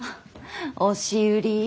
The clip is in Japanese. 押し売り？